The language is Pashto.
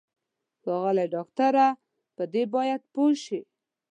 ښاغلی ډاکټره په دې باید پوه شې.